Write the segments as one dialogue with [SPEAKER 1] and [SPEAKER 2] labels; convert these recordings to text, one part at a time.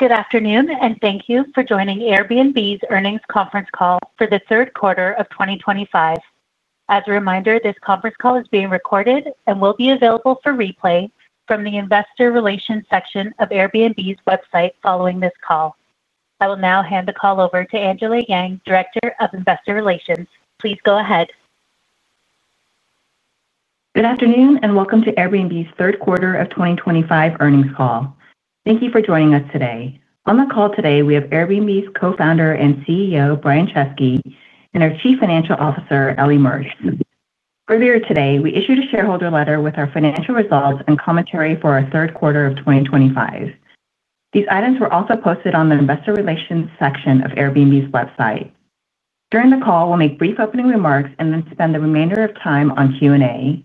[SPEAKER 1] Good afternoon, and thank you for joining Airbnb's earnings conference call for the third quarter of 2025. As a reminder, this conference call is being recorded and will be available for replay from the Investor Relations section of Airbnb's website following this call. I will now hand the call over to Angela Yang, Director of Investor Relations. Please go ahead.
[SPEAKER 2] Good afternoon, and welcome to Airbnb's third quarter of 2025 earnings call. Thank you for joining us today. On the call today, we have Airbnb's Co-founder and CEO, Brian Chesky, and our Chief Financial Officer, Ellie Mertz. Earlier today, we issued a shareholder letter with our financial results and commentary for our third quarter of 2025. These items were also posted on the Investor Relations section of Airbnb's website. During the call, we'll make brief opening remarks and then spend the remainder of time on Q&A.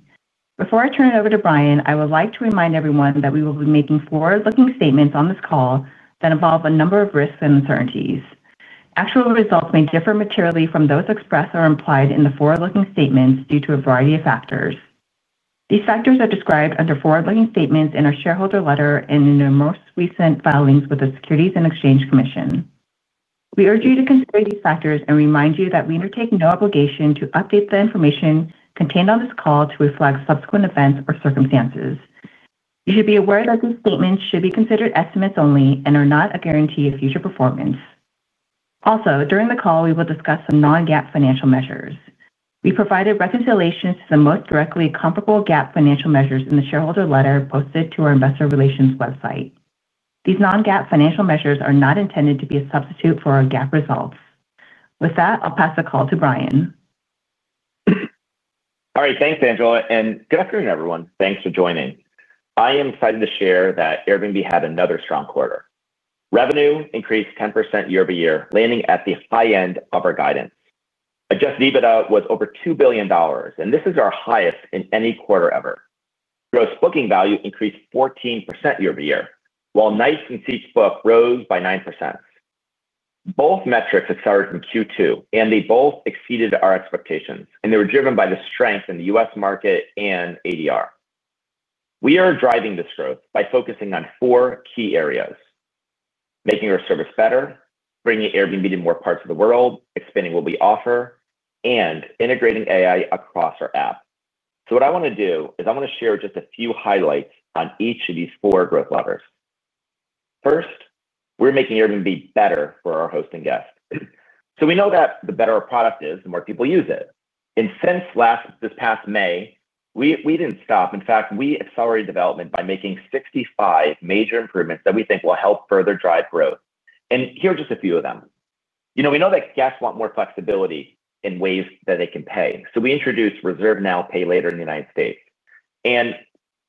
[SPEAKER 2] Before I turn it over to Brian, I would like to remind everyone that we will be making forward-looking statements on this call that involve a number of risks and uncertainties. Actual results may differ materially from those expressed or implied in the forward-looking statements due to a variety of factors. These factors are described under forward-looking statements in our shareholder letter and in our most recent filings with the Securities and Exchange Commission. We urge you to consider these factors and remind you that we undertake no obligation to update the information contained on this call to reflect subsequent events or circumstances. You should be aware that these statements should be considered estimates only and are not a guarantee of future performance. Also, during the call, we will discuss some non-GAAP financial measures. We provided reconciliations to the most directly comparable GAAP financial measures in the shareholder letter posted to our Investor Relations website. These non-GAAP financial measures are not intended to be a substitute for our GAAP results. With that, I'll pass the call to Brian.
[SPEAKER 3] All right. Thanks, Angela. And good afternoon, everyone. Thanks for joining. I am excited to share that Airbnb had another strong quarter. Revenue increased 10% year-over-year, landing at the high end of our guidance. Adjusted EBITDA was over $2 billion, and this is our highest in any quarter ever. Gross booking value increased 14% year-over-year, while nights and seats booked rose by 9%. Both metrics accelerated from Q2, and they both exceeded our expectations, and they were driven by the strength in the U.S. market and ADR. We are driving this growth by focusing on four key areas: making our service better, bringing Airbnb to more parts of the world, expanding what we offer, and integrating AI across our app. What I want to do is I want to share just a few highlights on each of these four growth levers. First, we're making Airbnb better for our host and guests. We know that the better our product is, the more people use it. Since last this past May, we didn't stop. In fact, we accelerated development by making 65 major improvements that we think will help further drive growth. Here are just a few of them. You know, we know that guests want more flexibility in ways that they can pay. We introduced Reserve Now, Pay Later in the United States.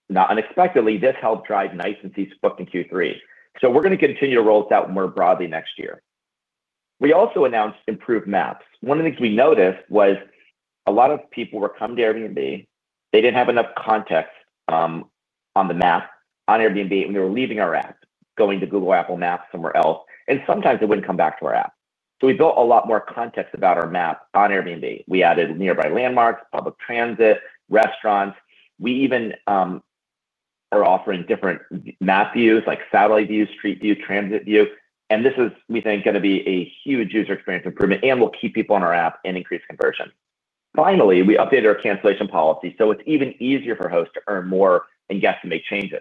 [SPEAKER 3] Not unexpectedly, this helped drive night and seats booked in Q3. We're going to continue to roll this out more broadly next year. We also announced improved maps. One of the things we noticed was a lot of people were coming to Airbnb. They didn't have enough context. On the map on Airbnb, and they were leaving our app, going to Google, Apple, Maps, somewhere else, and sometimes they would not come back to our app. We built a lot more context about our map on Airbnb. We added nearby landmarks, public transit, restaurants. We even are offering different map views like satellite view, street view, transit view. This is, we think, going to be a huge user experience improvement and will keep people on our app and increase conversion. Finally, we updated our cancellation policy. It is even easier for hosts to earn more and guests to make changes.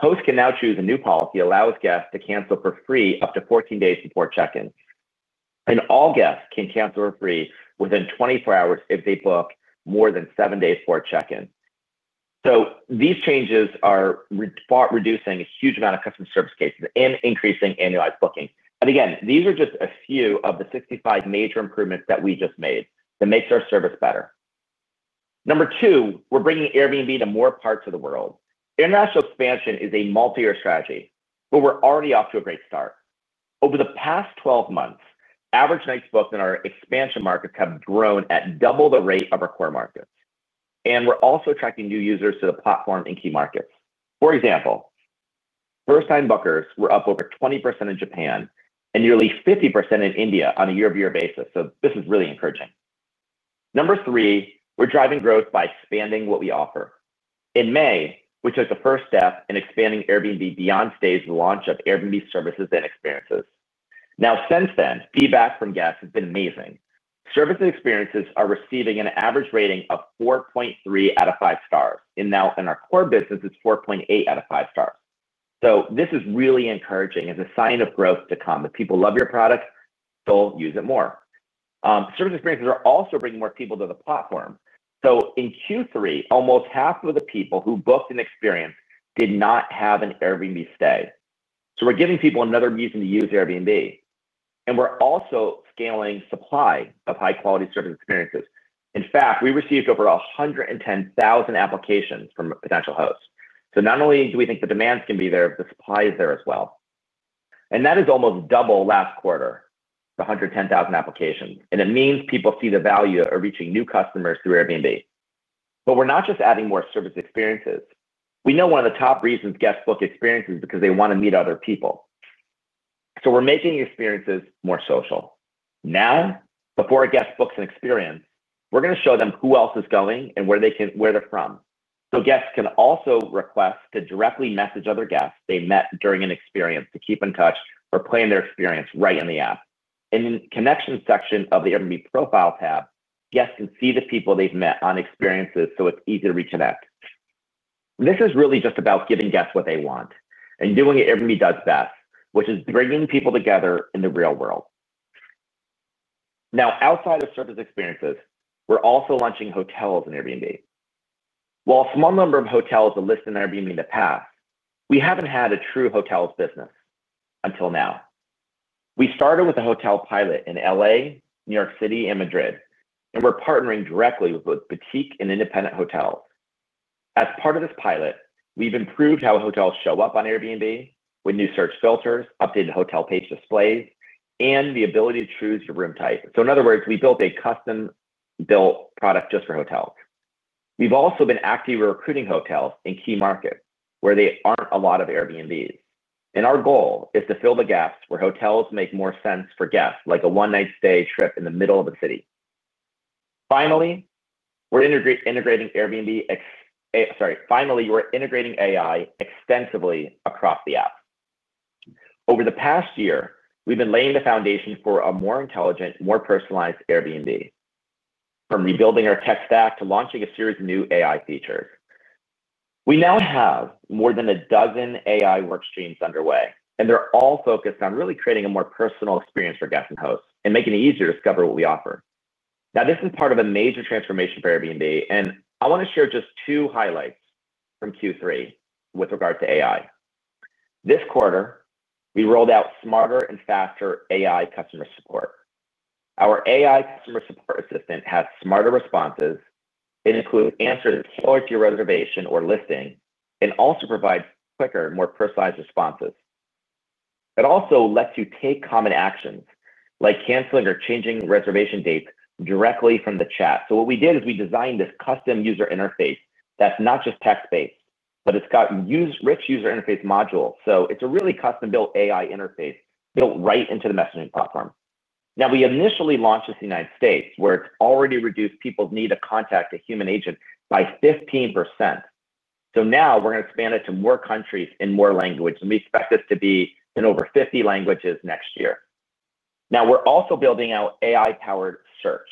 [SPEAKER 3] Hosts can now choose a new policy that allows guests to cancel for free up to 14 days before check-in. All guests can cancel for free within 24 hours if they book more than seven days before check-in. These changes are reducing a huge amount of customer service cases and increasing annualized booking. Again, these are just a few of the 65 major improvements that we just made that make our service better. Number two, we're bringing Airbnb to more parts of the world. International expansion is a multi-year strategy, but we're already off to a great start. Over the past 12 months, average nights booked in our expansion markets have grown at double the rate of our core markets. We're also attracting new users to the platform in key markets. For example, first-time bookers were up over 20% in Japan and nearly 50% in India on a year-over-year basis. This is really encouraging. Number three, we're driving growth by expanding what we offer. In May, we took the first step in expanding Airbnb beyond stays, the launch of Airbnb Services and Experiences. Now, since then, feedback from guests has been amazing. Service and experiences are receiving an average rating of 4.3 out of five stars. In our core business, it's 4.8 out of five stars. This is really encouraging as a sign of growth to come. If people love your product, they'll use it more. Service experiences are also bringing more people to the platform. In Q3, almost half of the people who booked an experience did not have an Airbnb stay. We're giving people another reason to use Airbnb. We're also scaling supply of high-quality service experiences. In fact, we received over 110,000 applications from potential hosts. Not only do we think the demand is going to be there, the supply is there as well. That is almost double last quarter, the 110,000 applications. It means people see the value of reaching new customers through Airbnb. We're not just adding more service experiences. We know one of the top reasons guests book experiences is because they want to meet other people. We're making experiences more social. Now, before a guest books an experience, we're going to show them who else is going and where they're from. Guests can also request to directly message other guests they met during an experience to keep in touch or plan their experience right in the app. In the connection section of the Airbnb profile tab, guests can see the people they've met on experiences so it's easy to reconnect. This is really just about giving guests what they want and doing what Airbnb does best, which is bringing people together in the real world. Now, outside of service experiences, we're also launching hotels in Airbnb. While a small number of hotels have listed in Airbnb in the past, we haven't had a true hotels business until now. We started with a hotel pilot in Los Angeles, New York City, and Madrid, and we're partnering directly with both boutique and independent hotels. As part of this pilot, we've improved how hotels show up on Airbnb with new search filters, updated hotel page displays, and the ability to choose your room type. In other words, we built a custom-built product just for hotels. We've also been actively recruiting hotels in key markets where there aren't a lot of Airbnbs. Our goal is to fill the gaps where hotels make more sense for guests, like a one-night stay trip in the middle of the city. Finally, we're integrating Airbnb. Sorry, finally, we're integrating AI extensively across the app. Over the past year, we've been laying the foundation for a more intelligent, more personalized Airbnb. From rebuilding our tech stack to launching a series of new AI features. We now have more than a dozen AI workstreams underway, and they're all focused on really creating a more personal experience for guests and hosts and making it easier to discover what we offer. Now, this is part of a major transformation for Airbnb, and I want to share just two highlights from Q3 with regard to AI. This quarter, we rolled out smarter and faster AI customer support. Our AI customer support assistant has smarter responses. It includes answers tailored to your reservation or listing and also provides quicker, more personalized responses. It also lets you take common actions like canceling or changing reservation dates directly from the chat. What we did is we designed this custom user interface that's not just text-based, but it's got rich user interface modules. It's a really custom-built AI interface built right into the messaging platform. We initially launched this in the United States, where it's already reduced people's need to contact a human agent by 15%. Now we're going to expand it to more countries and more languages, and we expect this to be in over 50 languages next year. We're also building out AI-powered search.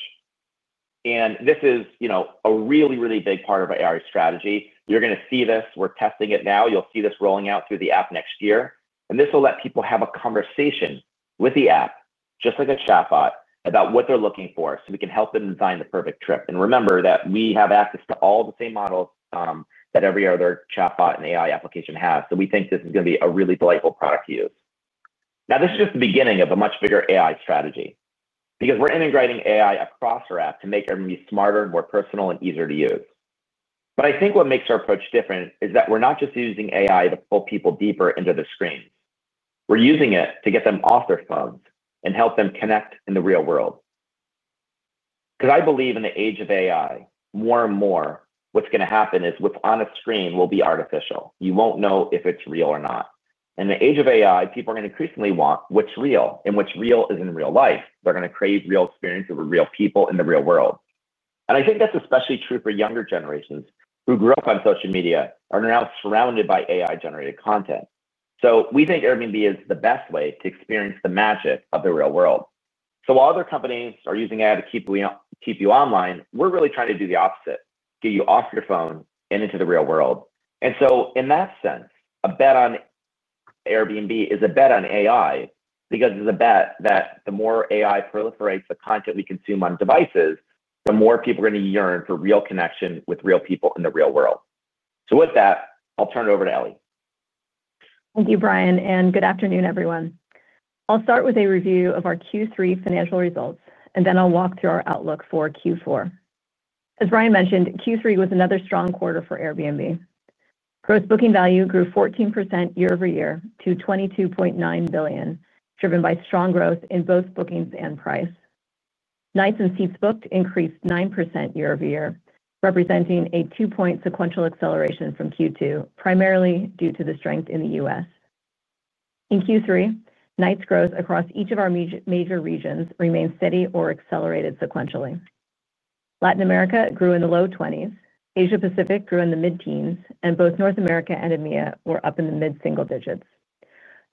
[SPEAKER 3] This is a really, really big part of our AI strategy. You're going to see this. We're testing it now. You'll see this rolling out through the app next year. This will let people have a conversation with the app, just like a chatbot, about what they're looking for so we can help them design the perfect trip. Remember that we have access to all the same models that every other chatbot and AI application has. We think this is going to be a really delightful product to use. This is just the beginning of a much bigger AI strategy because we're integrating AI across our app to make Airbnb smarter, more personal, and easier to use. I think what makes our approach different is that we're not just using AI to pull people deeper into their screens. We're using it to get them off their phones and help them connect in the real world. I believe in the age of AI, more and more, what's going to happen is what's on a screen will be artificial. You won't know if it's real or not. In the age of AI, people are going to increasingly want what's real and what's real is in real life. They're going to crave real experiences with real people in the real world. I think that's especially true for younger generations who grew up on social media and are now surrounded by AI-generated content. We think Airbnb is the best way to experience the magic of the real world. While other companies are using AI to keep you online, we're really trying to do the opposite, get you off your phone and into the real world. In that sense, a bet on Airbnb is a bet on AI because it's a bet that the more AI proliferates the content we consume on devices, the more people are going to yearn for real connection with real people in the real world. With that, I'll turn it over to Ellie.
[SPEAKER 4] Thank you, Brian. Good afternoon, everyone. I'll start with a review of our Q3 financial results, and then I'll walk through our outlook for Q4. As Brian mentioned, Q3 was another strong quarter for Airbnb. Gross booking value grew 14% year-over-year to $22.9 billion, driven by strong growth in both bookings and price. Nights and seats booked increased 9% year-over-year, representing a two-point sequential acceleration from Q2, primarily due to the strength in the U.S. In Q3, nights growth across each of our major regions remained steady or accelerated sequentially. Latin America grew in the low 20s. Asia-Pacific grew in the mid-teens, and both North America and EMEA were up in the mid-single digits.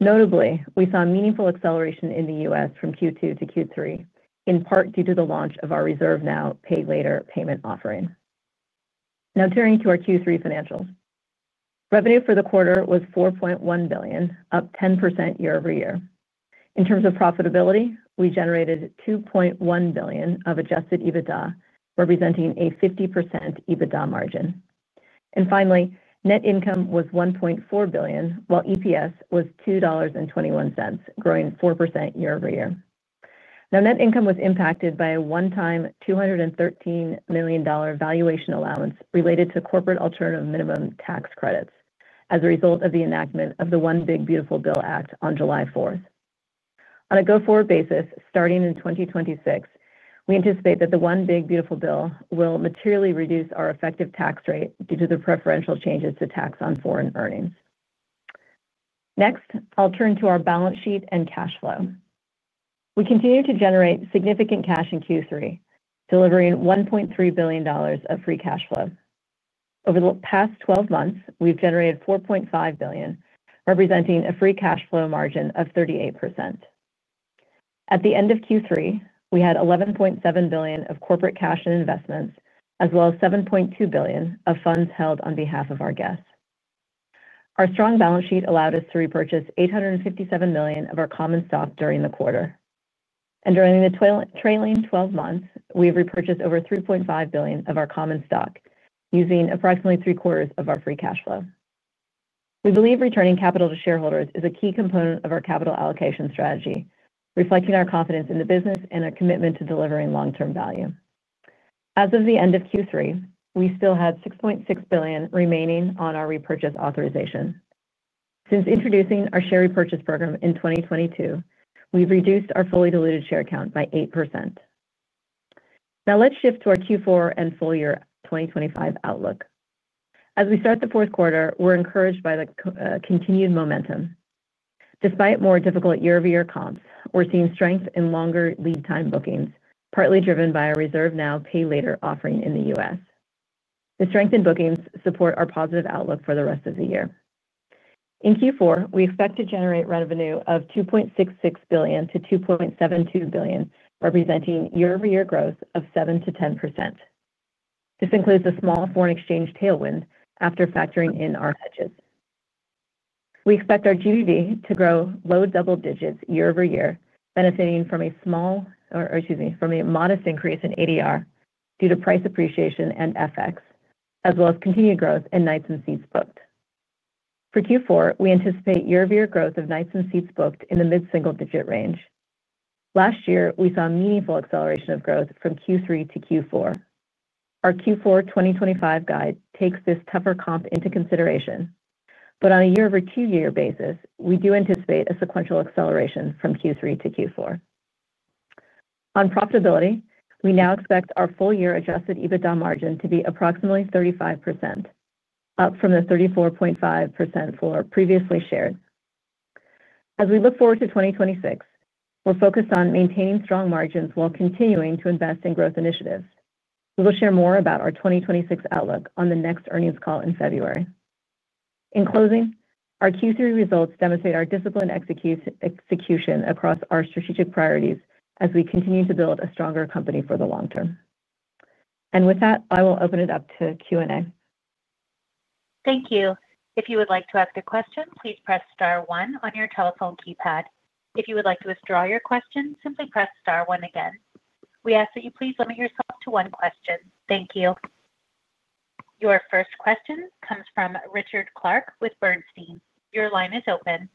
[SPEAKER 4] Notably, we saw meaningful acceleration in the U.S. from Q2 to Q3, in part due to the launch of our Reserve Now, Pay Later payment offering. Now, turning to our Q3 financials. Revenue for the quarter was $4.1 billion, up 10% year-over-year. In terms of profitability, we generated $2.1 billion of adjusted EBITDA, representing a 50% EBITDA margin. Finally, net income was $1.4 billion, while EPS was $2.21, growing 4% year-over-year. Now, net income was impacted by a one-time $213 million valuation allowance related to corporate alternative minimum tax credits as a result of the enactment of the One Big Beautiful Bill Act on July 4th. On a go-forward basis, starting in 2026, we anticipate that the One Big Beautiful Bill will materially reduce our effective tax rate due to the preferential changes to tax on foreign earnings. Next, I'll turn to our balance sheet and cash flow. We continue to generate significant cash in Q3, delivering $1.3 billion of free cash flow. Over the past 12 months, we've generated $4.5 billion, representing a free cash flow margin of 38%. At the end of Q3, we had $11.7 billion of corporate cash and investments, as well as $7.2 billion of funds held on behalf of our guests. Our strong balance sheet allowed us to repurchase $857 million of our common stock during the quarter. During the trailing 12 months, we've repurchased over $3.5 billion of our common stock, using approximately three-quarters of our free cash flow. We believe returning capital to shareholders is a key component of our capital allocation strategy, reflecting our confidence in the business and our commitment to delivering long-term value. As of the end of Q3, we still had $6.6 billion remaining on our repurchase authorization. Since introducing our share repurchase program in 2022, we've reduced our fully diluted share count by 8%. Now, let's shift to our Q4 and full year 2025 outlook. As we start the fourth quarter, we're encouraged by the continued momentum. Despite more difficult year-over-year comps, we're seeing strength in longer lead-time bookings, partly driven by our Reserve Now, Pay Later offering in the U.S. The strength in bookings supports our positive outlook for the rest of the year. In Q4, we expect to generate revenue of $2.66 billion-$2.72 billion, representing year-over-year growth of 7%-10%. This includes a small foreign exchange tailwind after factoring in our hedges. We expect our GVV to grow low double digits year-over-year, benefiting from a small, or excuse me, from a modest increase in ADR due to price appreciation and FX, as well as continued growth in nights and seats booked. For Q4, we anticipate year-over-year growth of nights and seats booked in the mid-single digit range. Last year, we saw a meaningful acceleration of growth from Q3 to Q4. Our Q4 2025 guide takes this tougher comp into consideration. On a year-over-year basis, we do anticipate a sequential acceleration from Q3 to Q4. On profitability, we now expect our full year adjusted EBITDA margin to be approximately 35%, up from the 34.5% floor previously shared. As we look forward to 2026, we're focused on maintaining strong margins while continuing to invest in growth initiatives. We will share more about our 2026 outlook on the next earnings call in February. In closing, our Q3 results demonstrate our disciplined execution across our strategic priorities as we continue to build a stronger company for the long term. With that, I will open it up to Q&A.
[SPEAKER 1] Thank you. If you would like to ask a question, please press star one on your telephone keypad. If you would like to withdraw your question, simply press star one again. We ask that you please limit yourself to one question. Thank you. Your first question comes from Richard Clarke with Bernstein. Your line is open.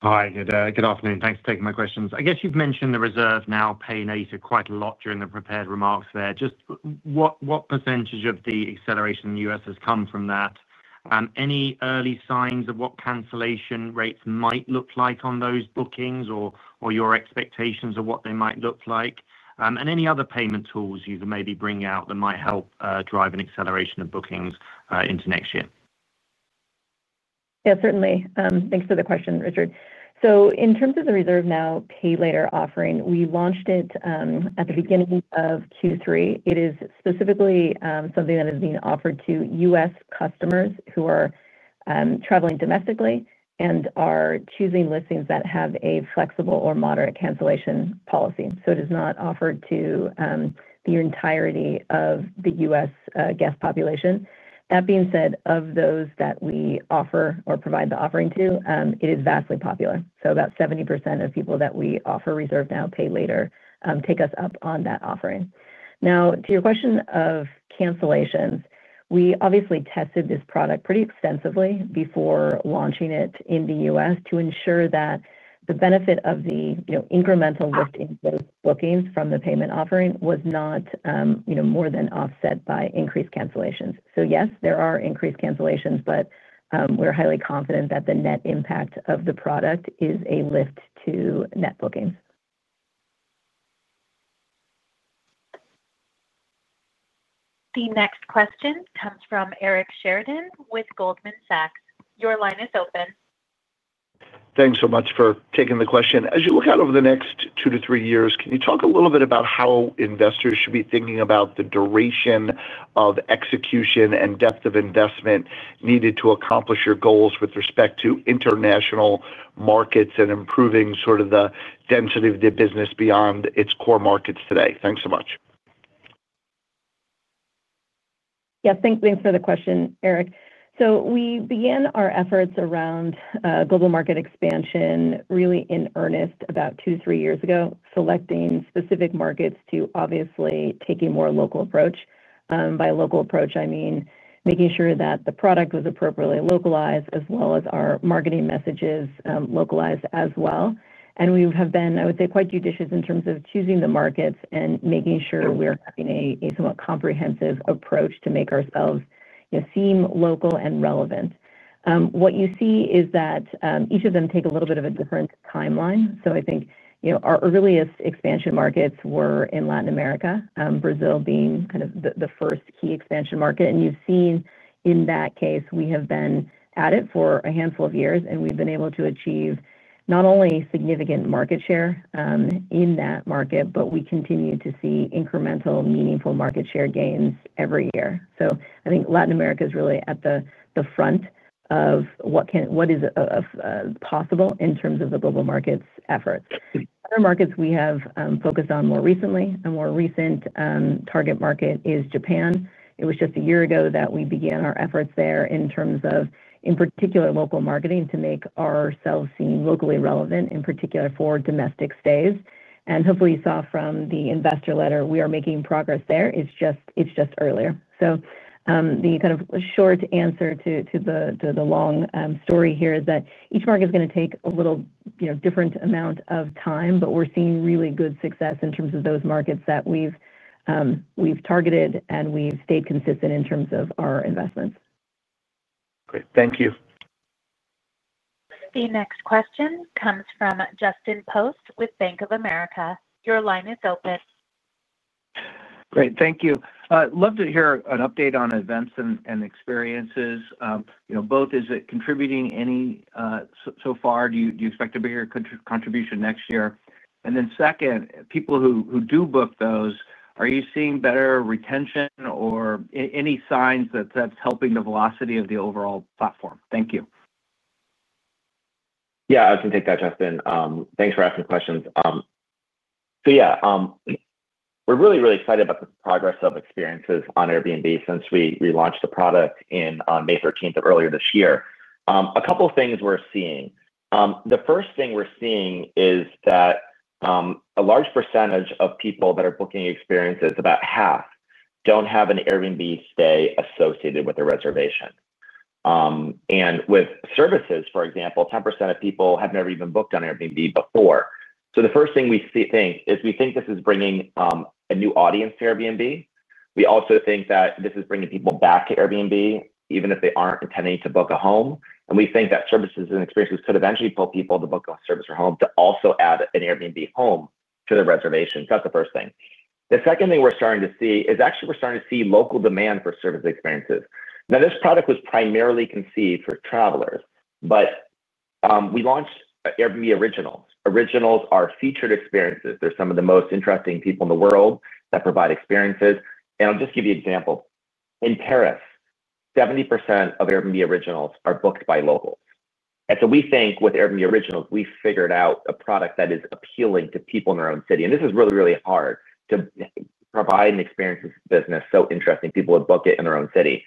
[SPEAKER 5] Hi. Good afternoon. Thanks for taking my questions. I guess you've mentioned the Reserve Now, Pay Later ADR quite a lot during the prepared remarks there. Just what percentage of the acceleration in the U.S. has come from that? Any early signs of what cancellation rates might look like on those bookings or your expectations of what they might look like? Any other payment tools you maybe bring out that might help drive an acceleration of bookings into next year?
[SPEAKER 4] Yeah, certainly. Thanks for the question, Richard. In terms of the Reserve Now, Pay Later offering, we launched it at the beginning of Q3. It is specifically something that is being offered to U.S. customers who are traveling domestically and are choosing listings that have a flexible or moderate cancellation policy. It is not offered to the entirety of the U.S. guest population. That being said, of those that we offer or provide the offering to, it is vastly popular. About 70% of people that we offer Reserve Now, Pay Later take us up on that offering. Now, to your question of cancellations, we obviously tested this product pretty extensively before launching it in the U.S. to ensure that the benefit of the incremental lift in those bookings from the payment offering was not more than offset by increased cancellations. Yes, there are increased cancellations, but we're highly confident that the net impact of the product is a lift to net bookings.
[SPEAKER 1] The next question comes from Eric Sheridan with Goldman Sachs. Your line is open.
[SPEAKER 6] Thanks so much for taking the question. As you look out over the next two to three years, can you talk a little bit about how investors should be thinking about the duration of execution and depth of investment needed to accomplish your goals with respect to international markets and improving sort of the density of the business beyond its core markets today? Thanks so much.
[SPEAKER 4] Yeah, thanks for the question, Eric. We began our efforts around global market expansion really in earnest about two to three years ago, selecting specific markets to obviously take a more local approach. By a local approach, I mean making sure that the product was appropriately localized as well as our marketing messages localized as well. We have been, I would say, quite judicious in terms of choosing the markets and making sure we're having a somewhat comprehensive approach to make ourselves seem local and relevant. What you see is that each of them take a little bit of a different timeline. I think our earliest expansion markets were in Latin America, Brazil being kind of the first key expansion market. You have seen in that case, we have been at it for a handful of years, and we have been able to achieve not only significant market share in that market, but we continue to see incremental meaningful market share gains every year. I think Latin America is really at the front of what is possible in terms of the global markets efforts. Other markets we have focused on more recently, a more recent target market is Japan. It was just a year ago that we began our efforts there in terms of, in particular, local marketing to make ourselves seem locally relevant, in particular for domestic stays. Hopefully, you saw from the investor letter, we are making progress there. It is just earlier. The kind of short answer to the long story here is that each market is going to take a little different amount of time, but we're seeing really good success in terms of those markets that we've targeted and we've stayed consistent in terms of our investments.
[SPEAKER 6] Great. Thank you.
[SPEAKER 1] The next question comes from Justin Post with Bank of America. Your line is open.
[SPEAKER 7] Great. Thank you. Love to hear an update on events and experiences. Both, is it contributing any so far? Do you expect to bear your contribution next year? Second, people who do book those, are you seeing better retention or any signs that that's helping the velocity of the overall platform? Thank you.
[SPEAKER 3] Yeah, I can take that, Justin. Thanks for asking the questions. Yeah, we're really, really excited about the progress of experiences on Airbnb since we launched the product on May 13 earlier this year. A couple of things we're seeing. The first thing we're seeing is that a large percentage of people that are booking experiences, about half, do not have an Airbnb stay associated with their reservation. With services, for example, 10% of people have never even booked on Airbnb before. The first thing we think is we think this is bringing a new audience to Airbnb. We also think that this is bringing people back to Airbnb, even if they are not intending to book a home. We think that services and experiences could eventually pull people to book a service or home to also add an Airbnb home to their reservation. That's the first thing. The second thing we're starting to see is actually we're starting to see local demand for service experiences. Now, this product was primarily conceived for travelers, but we launched Airbnb Originals. Originals are featured experiences. They're some of the most interesting people in the world that provide experiences. I'll just give you an example. In Paris, 70% of Airbnb Originals are booked by locals. We think with Airbnb Originals, we've figured out a product that is appealing to people in their own city. This is really, really hard to provide an experience business so interesting people would book it in their own city.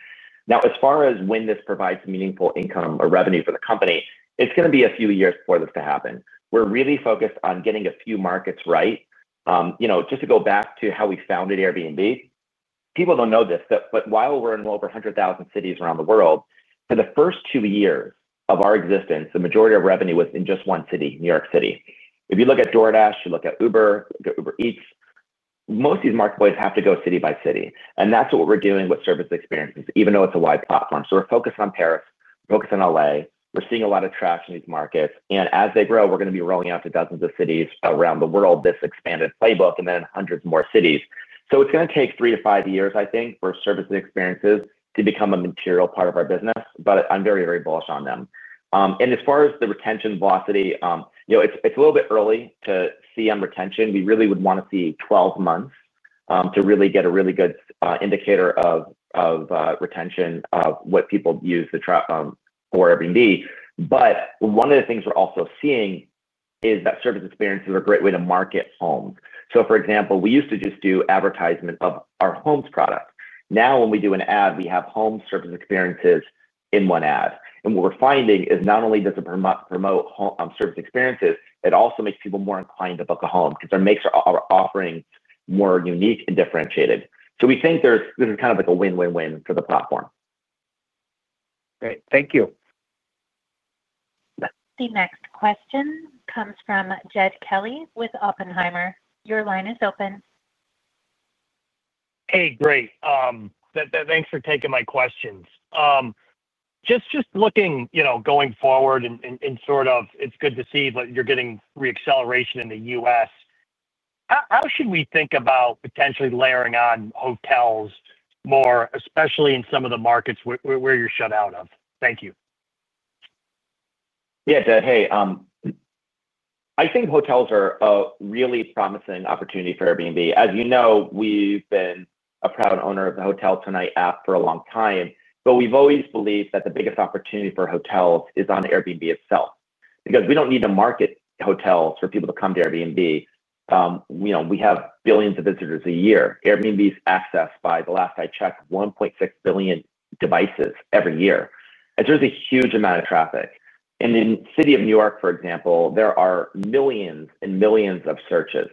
[SPEAKER 3] Now, as far as when this provides meaningful income or revenue for the company, it's going to be a few years for this to happen. We're really focused on getting a few markets right. Just to go back to how we founded Airbnb, people do not know this, but while we are in over 100,000 cities around the world, for the first two years of our existence, the majority of revenue was in just one city, New York City. If you look at DoorDash, you look at Uber, you look at Uber Eats, most of these marketplaces have to go city by city. That is what we are doing with service experiences, even though it is a wide platform. We are focused on Paris, we are focused on LA, we are seeing a lot of traction in these markets. As they grow, we are going to be rolling out to dozens of cities around the world, this expanded playbook, and then in hundreds more cities. It's going to take three to five years, I think, for service and experiences to become a material part of our business, but I'm very, very bullish on them. As far as the retention velocity, it's a little bit early to see on retention. We really would want to see 12 months to really get a really good indicator of retention of what people use for Airbnb. One of the things we're also seeing is that service experiences are a great way to market homes. For example, we used to just do advertisement of our homes product. Now when we do an ad, we have home service experiences in one ad. What we're finding is not only does it promote service experiences, it also makes people more inclined to book a home because it makes our offerings more unique and differentiated. We think this is kind of like a win-win-win for the platform.
[SPEAKER 7] Great. Thank you.
[SPEAKER 1] The next question comes from Jed Kelly with Oppenheimer. Your line is open.
[SPEAKER 8] Hey, great. Thanks for taking my questions. Just looking going forward and sort of it's good to see that you're getting re-acceleration in the U.S. How should we think about potentially layering on hotels more, especially in some of the markets where you're shut out of? Thank you.
[SPEAKER 3] Yeah, Jed, hey. I think hotels are a really promising opportunity for Airbnb. As you know, we've been a proud owner of the HotelTonight app for a long time, but we've always believed that the biggest opportunity for hotels is on Airbnb itself. Because we don't need to market hotels for people to come to Airbnb. We have billions of visitors a year. Airbnb's access, by the last I checked, 1.6 billion devices every year. There is a huge amount of traffic. In the city of New York, for example, there are millions and millions of searches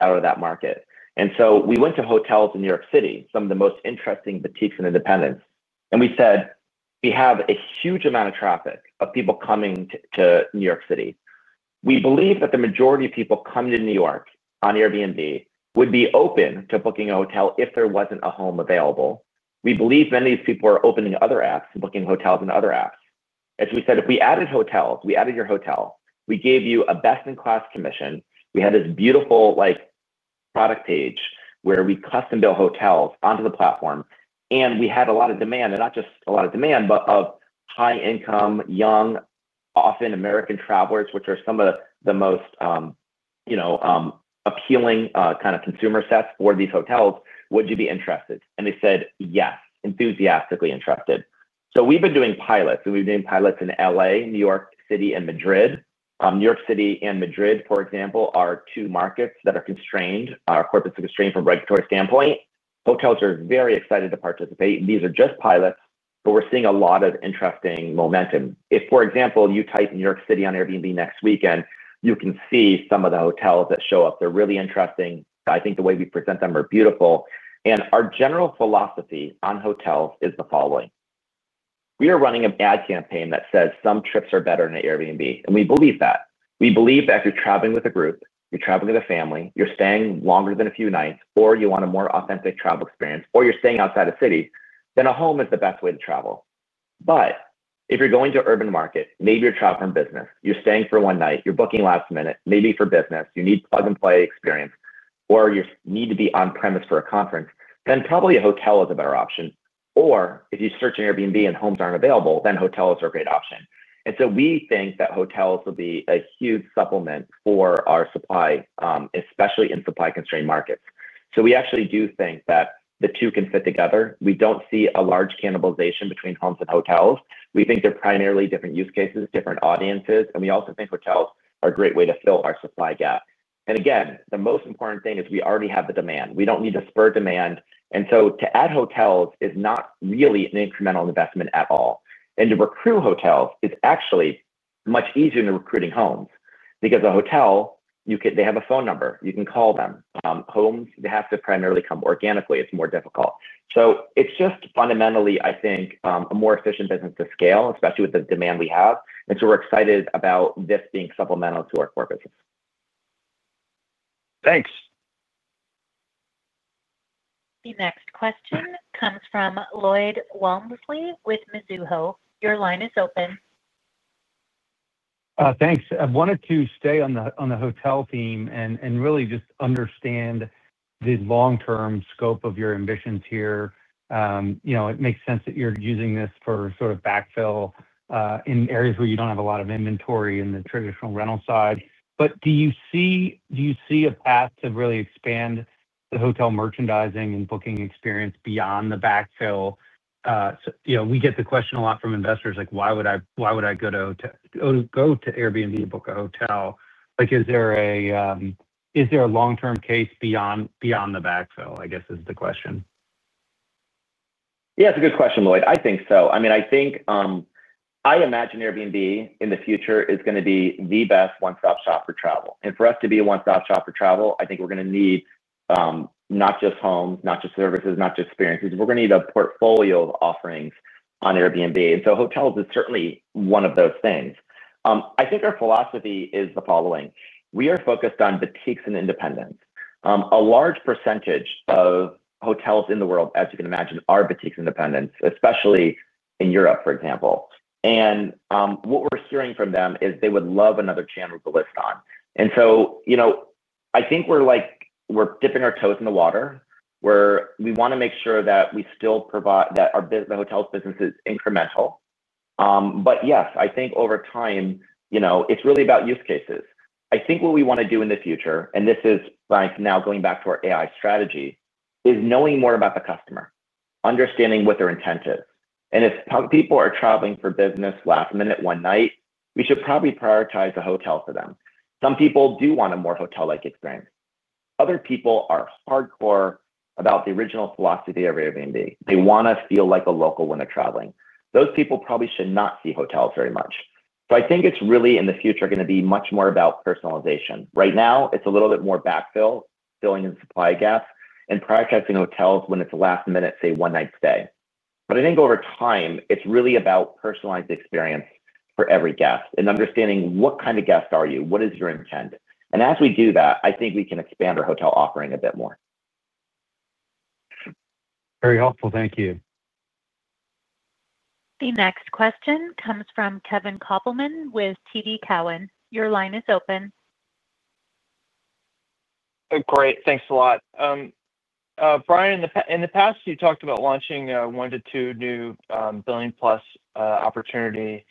[SPEAKER 3] out of that market. We went to hotels in New York City, some of the most interesting boutiques and independents. We said, "We have a huge amount of traffic of people coming to New York City. We believe that the majority of people coming to New York on Airbnb would be open to booking a hotel if there was not a home available. We believe many of these people are opening other apps and booking hotels in other apps. As we said, if we added hotels, we added your hotel, we gave you a best-in-class commission. We had this beautiful product page where we custom-built hotels onto the platform. We had a lot of demand, and not just a lot of demand, but of high-income, young, often American travelers, which are some of the most appealing kind of consumer sets for these hotels. Would you be interested? They said, "Yes, enthusiastically interested." We have been doing pilots, and we have been doing pilots in Los Angeles, New York City, and Madrid. New York City and Madrid, for example, are two markets that are constrained, corporates are constrained from a regulatory standpoint. Hotels are very excited to participate. These are just pilots, but we're seeing a lot of interesting momentum. If, for example, you type New York City on Airbnb next weekend, you can see some of the hotels that show up. They're really interesting. I think the way we present them is beautiful. Our general philosophy on hotels is the following. We are running an ad campaign that says some trips are better than Airbnb. We believe that. We believe that if you're traveling with a group, you're traveling with a family, you're staying longer than a few nights, or you want a more authentic travel experience, or you're staying outside of the city, then a home is the best way to travel. If you're going to an urban market, maybe you're traveling for business, you're staying for one night, you're booking last minute, maybe for business, you need plug-and-play experience, or you need to be on-premise for a conference, then probably a hotel is a better option. If you search on Airbnb and homes aren't available, then hotels are a great option. We think that hotels will be a huge supplement for our supply, especially in supply-constrained markets. We actually do think that the two can fit together. We don't see a large cannibalization between homes and hotels. We think they're primarily different use cases, different audiences, and we also think hotels are a great way to fill our supply gap. Again, the most important thing is we already have the demand. We don't need to spur demand. To add hotels is not really an incremental investment at all. To recruit hotels is actually much easier than recruiting homes. Because a hotel, they have a phone number. You can call them. Homes, they have to primarily come organically. It's more difficult. It is just fundamentally, I think, a more efficient business to scale, especially with the demand we have. We are excited about this being supplemental to our core business.
[SPEAKER 6] Thanks.
[SPEAKER 1] The next question comes from Lloyd Walmsley with Mizuho. Your line is open.
[SPEAKER 9] Thanks. I wanted to stay on the hotel theme and really just understand the long-term scope of your ambitions here. It makes sense that you're using this for sort of backfill in areas where you don't have a lot of inventory in the traditional rental side. But do you see a path to really expand the hotel merchandising and booking experience beyond the backfill? We get the question a lot from investors, like, "Why would I go to Airbnb to book a hotel?" Is there a long-term case beyond the backfill, I guess, is the question.
[SPEAKER 3] Yeah, it's a good question, Lloyd. I think so. I mean, I think. I imagine Airbnb in the future is going to be the best one-stop shop for travel. For us to be a one-stop shop for travel, I think we're going to need not just homes, not just services, not just experiences. We're going to need a portfolio of offerings on Airbnb. Hotels is certainly one of those things. I think our philosophy is the following. We are focused on boutiques and independents. A large percentage of hotels in the world, as you can imagine, are boutiques and independents, especially in Europe, for example. What we're hearing from them is they would love another channel to list on. I think we're dipping our toes in the water. We want to make sure that we still provide that our hotel business is incremental. Yes, I think over time, it's really about use cases. I think what we want to do in the future, and this is now going back to our AI strategy, is knowing more about the customer, understanding what their intent is. If people are traveling for business last minute one night, we should probably prioritize a hotel for them. Some people do want a more hotel-like experience. Other people are hardcore about the original philosophy of Airbnb. They want to feel like a local when they're traveling. Those people probably should not see hotels very much. I think it's really in the future going to be much more about personalization. Right now, it's a little bit more backfill, filling in supply gaps, and prioritizing hotels when it's a last-minute, say, one-night stay. I think over time, it's really about personalized experience for every guest and understanding what kind of guest are you? What is your intent? As we do that, I think we can expand our hotel offering a bit more.
[SPEAKER 9] Very helpful. Thank you.
[SPEAKER 1] The next question comes from Kevin Kopelman with TD Cowen. Your line is open.
[SPEAKER 10] Great. Thanks a lot. Brian, in the past, you talked about launching one to two new billion-plus opportunity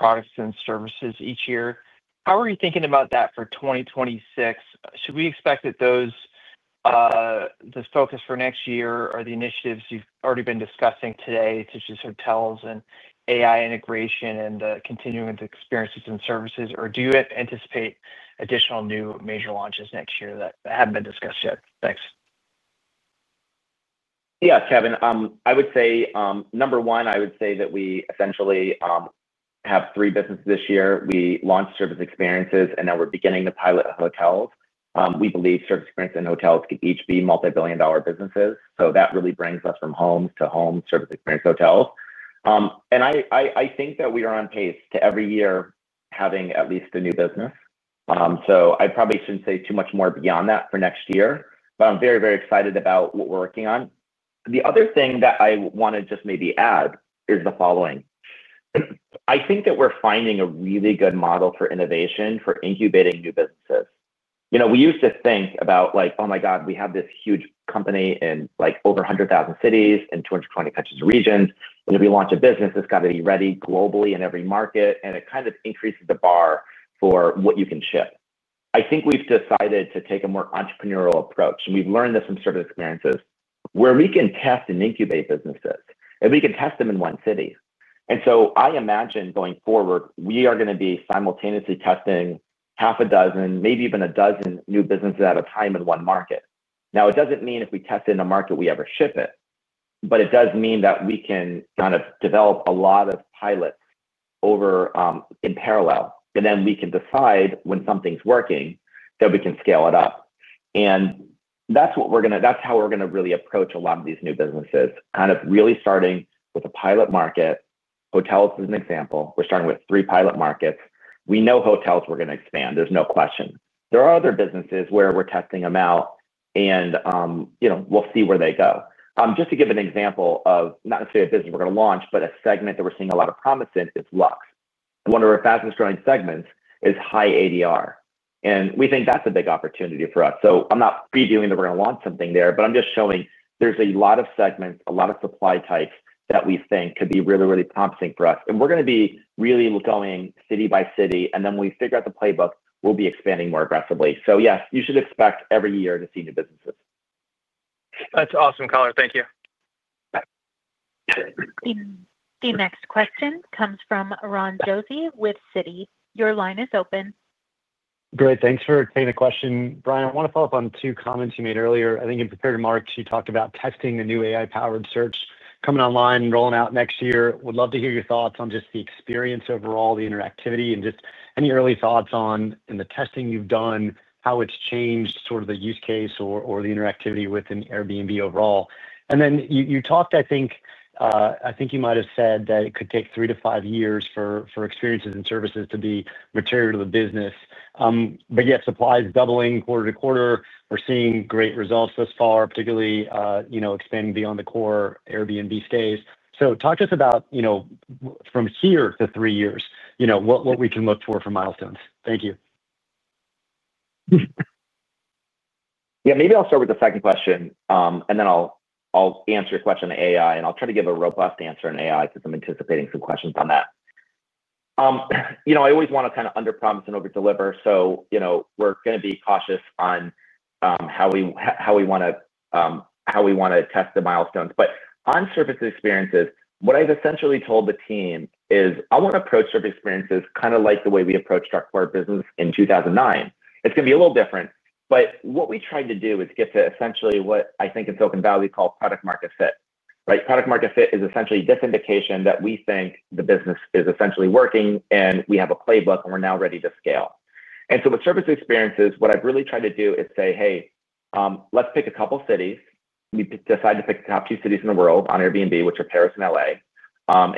[SPEAKER 10] products and services each year. How are you thinking about that for 2026? Should we expect that those—the focus for next year are the initiatives you've already been discussing today, such as hotels and AI integration and the continuing experiences and services? Or do you anticipate additional new major launches next year that haven't been discussed yet? Thanks.
[SPEAKER 3] Yeah, Kevin. I would say, number one, I would say that we essentially have three businesses this year. We launched service experiences, and now we're beginning to pilot hotels. We believe service experience and hotels can each be multi-billion-dollar businesses. That really brings us from homes to home service experience hotels. I think that we are on pace to every year having at least a new business. I probably shouldn't say too much more beyond that for next year, but I'm very, very excited about what we're working on. The other thing that I want to just maybe add is the following. I think that we're finding a really good model for innovation for incubating new businesses. We used to think about, like, "Oh my God, we have this huge company in over 100,000 cities and 220 countries and regions." When we launch a business, it's got to be ready globally in every market, and it kind of increases the bar for what you can ship. I think we've decided to take a more entrepreneurial approach, and we've learned this from service experiences, where we can test and incubate businesses, and we can test them in one city. I imagine going forward, we are going to be simultaneously testing half a dozen, maybe even a dozen new businesses at a time in one market. Now, it doesn't mean if we test in a market, we ever ship it. It does mean that we can kind of develop a lot of pilots in parallel, and then we can decide when something's working that we can scale it up. That's how we're going to really approach a lot of these new businesses, kind of really starting with a pilot market. Hotels is an example. We're starting with three pilot markets. We know hotels we're going to expand. There's no question. There are other businesses where we're testing them out, and we'll see where they go. Just to give an example of not necessarily a business we're going to launch, but a segment that we're seeing a lot of promise in is Lux. One of our fastest-growing segments is high ADR. We think that's a big opportunity for us. I'm not pre-doing that we're going to launch something there, but I'm just showing there's a lot of segments, a lot of supply types that we think could be really, really promising for us. We're going to be really going city by city, and then when we figure out the playbook, we'll be expanding more aggressively. Yes, you should expect every year to see new businesses.
[SPEAKER 6] That's awesome, Colin. Thank you.
[SPEAKER 1] The next question comes from Ron Josey with Citi. Your line is open.
[SPEAKER 11] Great. Thanks for taking the question. Brian, I want to follow up on two comments you made earlier. I think in prepared remarks, you talked about testing the new AI-powered search coming online and rolling out next year. Would love to hear your thoughts on just the experience overall, the interactivity, and just any early thoughts on the testing you've done, how it's changed sort of the use case or the interactivity within Airbnb overall. Then you talked, I think. I think you might have said that it could take three to five years for experiences and services to be material to the business. Yet, supply is doubling quarter to quarter. We're seeing great results thus far, particularly expanding beyond the core Airbnb stays. Talk to us about from here to three years, what we can look for for milestones. Thank you.
[SPEAKER 3] Yeah, maybe I'll start with the second question, and then I'll answer your question on AI, and I'll try to give a robust answer on AI because I'm anticipating some questions on that. I always want to kind of underpromise and overdeliver, so we're going to be cautious on how we want to test the milestones. But on service experiences, what I've essentially told the team is I want to approach service experiences kind of like the way we approached our core business in 2009. It's going to be a little different, but what we tried to do is get to essentially what I think in Silicon Valley we call product-market fit. Product-market fit is essentially this indication that we think the business is essentially working, and we have a playbook, and we're now ready to scale. With service experiences, what I've really tried to do is say, "Hey, let's pick a couple of cities." We decided to pick the top two cities in the world on Airbnb, which are Paris and LA.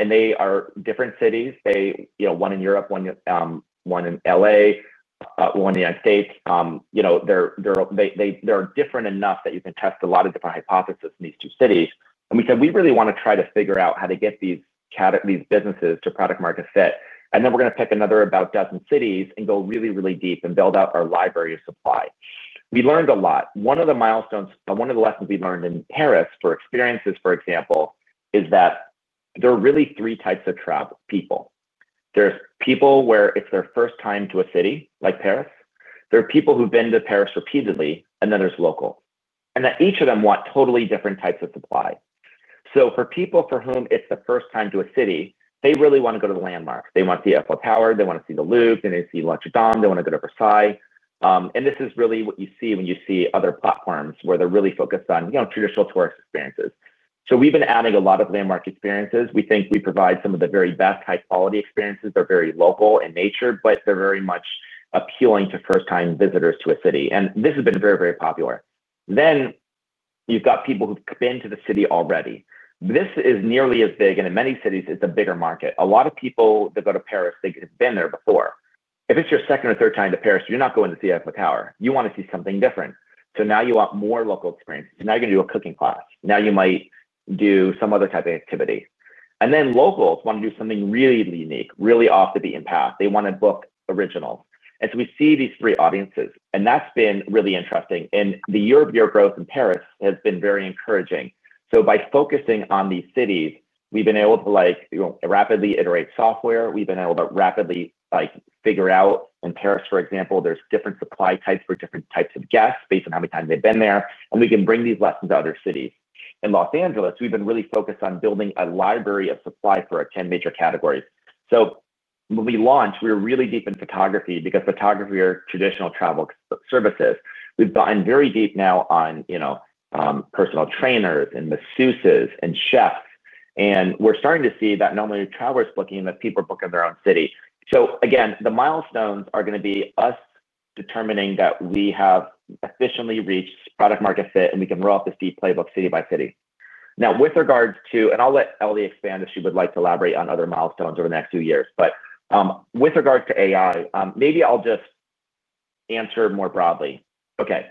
[SPEAKER 3] They are different cities. One in Europe, one in LA, one in the United States. They're different enough that you can test a lot of different hypotheses in these two cities. We said, "We really want to try to figure out how to get these businesses to product-market fit." We're going to pick another about dozen cities and go really, really deep and build out our library of supply. We learned a lot. One of the milestones, one of the lessons we learned in Paris for experiences, for example, is that there are really three types of travel people. are people where it's their first time to a city like Paris. There are people who've been to Paris repeatedly, and then there are locals. Each of them want totally different types of supply. For people for whom it's the first time to a city, they really want to go to the landmarks. They want to see the Eiffel Tower. They want to see the Louvre. They want to see Notre-Dame. They want to go to Versailles. This is really what you see when you see other platforms where they're really focused on traditional tourist experiences. We have been adding a lot of landmark experiences. We think we provide some of the very best high-quality experiences. They're very local in nature, but they're very much appealing to first-time visitors to a city. This has been very, very popular. You have people who've been to the city already. This is nearly as big, and in many cities, it's a bigger market. A lot of people that go to Paris, they've been there before. If it's your second or third time to Paris, you're not going to see Eiffel Tower. You want to see something different. Now you want more local experiences. Now you're going to do a cooking class. Now you might do some other type of activity. Locals want to do something really unique, really off the beaten path. They want to book originals. We see these three audiences, and that's been really interesting. The year-over-year growth in Paris has been very encouraging. By focusing on these cities, we've been able to rapidly iterate software. We've been able to rapidly figure out, in Paris, for example, there's different supply types for different types of guests based on how many times they've been there. We can bring these lessons to other cities. In Los Angeles, we've been really focused on building a library of supply for our 10 major categories. When we launched, we were really deep in photography because photography are traditional travel services. We've gotten very deep now on personal trainers and masseuses and chefs. We're starting to see that not only are travelers booking, but people are booking their own city. Again, the milestones are going to be us determining that we have efficiently reached product-market fit, and we can roll out this deep playbook city by city. Now, with regards to and I'll let Ellie expand if she would like to elaborate on other milestones over the next few years—but with regards to AI, maybe I'll just answer more broadly. Okay.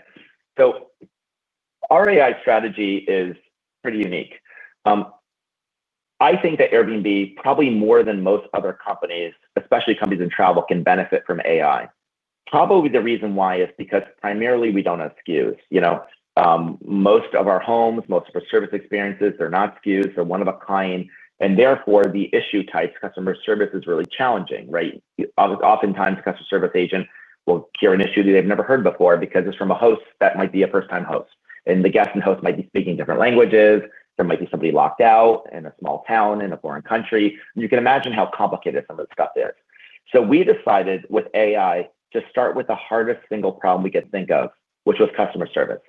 [SPEAKER 3] Our AI strategy is pretty unique. I think that Airbnb, probably more than most other companies, especially companies in travel, can benefit from AI. Probably the reason why is because primarily we don't have SKUs. Most of our homes, most of our service experiences, they're not SKUs. They're one-of-a-kind. Therefore, the issue types, customer service is really challenging, right? Oftentimes, a customer service agent will hear an issue that they've never heard before because it's from a host that might be a first-time host. The guest and host might be speaking different languages. There might be somebody locked out in a small town in a foreign country. You can imagine how complicated some of this stuff is. We decided with AI to start with the hardest single problem we could think of, which was customer service.